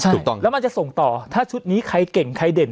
ถูกต้องแล้วมันจะส่งต่อถ้าชุดนี้ใครเก่งใครเด่น